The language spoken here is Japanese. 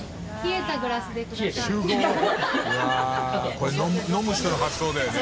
これ飲む人の発想だよね。